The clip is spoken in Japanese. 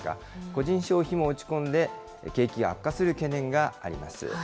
個人消費も落ち込んで、景気が悪化する懸念があります。